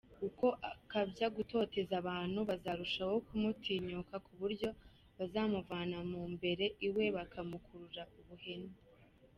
Uko akabya gutoteza abantu bazarushaho kumutinyuka ku buryo bazamuvana mu mbere iwe bamukurura buhene.